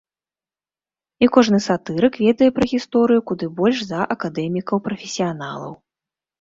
І кожны сатырык ведае пра гісторыю куды больш за акадэмікаў-прафесіяналаў.